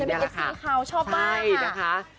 สำหรับอิคซิ่งเขาชอบมากค่ะ